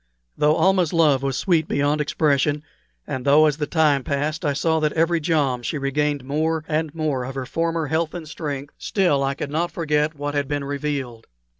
Though Almah's love was sweet beyond expression, and though as the time passed I saw that every jom she regained more and more of her former health and strength, still I could not forget what had been revealed.